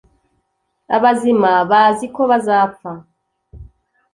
abazima bazi ko bazapfa